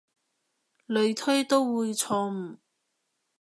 類推都會錯誤